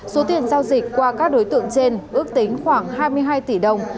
số tiền giao dịch qua các đối tượng trên ước tính khoảng hai mươi hai tỷ đồng